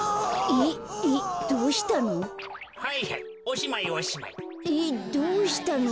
えっどうしたの？